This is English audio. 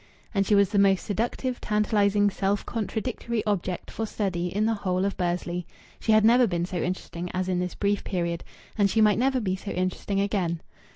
And she was the most seductive, tantalizing, self contradictory object for study in the whole of Bursley. She had never been so interesting as in this brief period, and she might never be so interesting again.